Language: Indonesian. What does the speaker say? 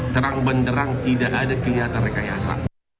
terang benderang tidak ada kelihatan rekayasa